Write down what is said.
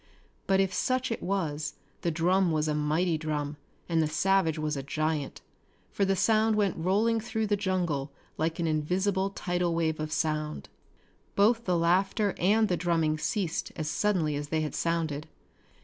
But if such it was the drum was a mighty drum, and the savage was a giant, for the sound went rolling through the jungle like an invisible tidal wave of sound. Both the laughter and the drumming ceased as suddenly as they had sounded.